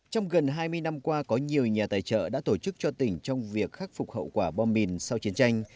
trong gần hai mươi năm qua có nhiều nhà tài trợ đã tổ chức cho tỉnh trong việc khắc phục hậu quả bom mìn sau chiến tranh